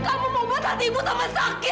kamu mau buat hati ibu sama sakit